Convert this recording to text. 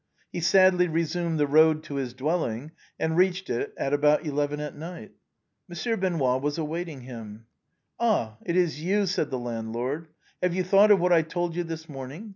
He sadly resumed the road to his dwelling, and reached it at about eleven at night. Monsieur Benoît was awaiting him. " Ah ! it is you," said the landlord. " Have you thought of what I told you this morning?